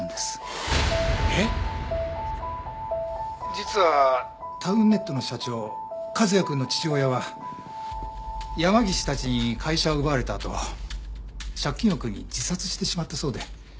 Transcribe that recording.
実はタウンネットの社長和也くんの父親は山岸たちに会社を奪われたあと借金を苦に自殺してしまったそうで。